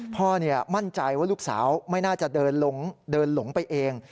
พ่อมั่นใจว่าลูกสาวไม่น่าจะเดินหลงไปเอง